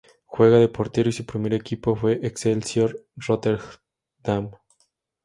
Juega de portero y su primer equipo fue Excelsior Rotterdam.